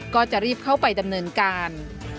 ก็จะรีบเข้าไปดำเนินการ